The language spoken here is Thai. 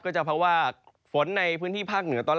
จะเพราะว่าฝนในพื้นที่ภาคเหนือตอนล่า